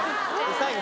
最後。